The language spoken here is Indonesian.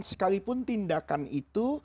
sekalipun tindakan itu